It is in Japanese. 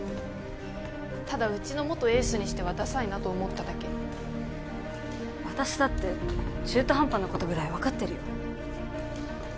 ただうちの元エースにしてはダサいなと思っただけ私だって中途半端なことぐらい分かってるよ